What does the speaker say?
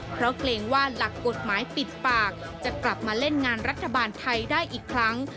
เพราะเกรงว่าหลักกฎหมายปิดปากจะกลับมาเล่นงานรัฐบาลไทยได้อีกครั้ง